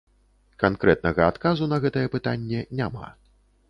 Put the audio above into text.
Канкрэтнага адказу на гэтае пытанне няма.